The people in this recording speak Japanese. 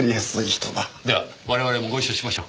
では我々もご一緒しましょう。